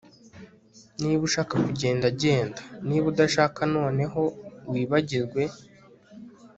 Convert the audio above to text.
Niba ushaka kugenda genda Niba udashaka noneho wibagirwe